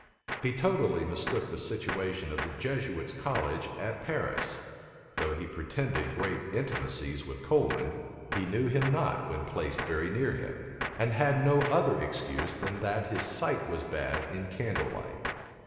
[] He totally mistook the situation of the Jesuits' college at Paris.[] Though he pretended great intimacies with Coleman, he knew him not, when placed very near him; and had no other excuse than that his sight was bad in candle light.